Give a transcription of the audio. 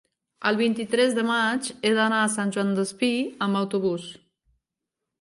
el vint-i-tres de maig he d'anar a Sant Joan Despí amb autobús.